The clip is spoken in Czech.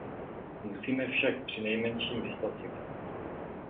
Musíme však přinejmenším vyslat signál.